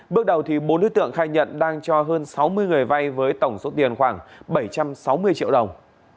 bước đầu bốn đối tượng khai nhận đang cho hơn sáu mươi người vay với tổng số tiền khoảng bảy trăm sáu mươi triệu đồng